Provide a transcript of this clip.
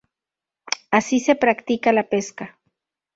Aquí se practica la pesca.